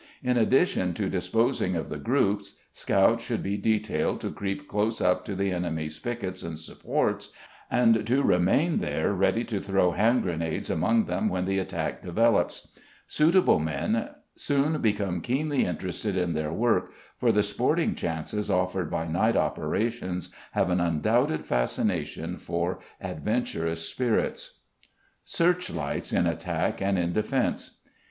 In addition to disposing of the groups, scouts should be detailed to creep close up to the enemy's piquets and supports, and to remain there ready to throw hand grenades among them when the attack develops. Suitable men soon become keenly interested in their work, for the sporting chances offered by night operations have an undoubted fascination for adventurous spirits. _Searchlights in Attack and in Defence.